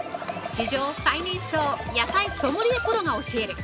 史上最年少野菜ソムリエプロが教える！